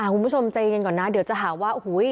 คุณผู้ชมใจเย็นก่อนนะเดี๋ยวจะหาว่าโอ้โห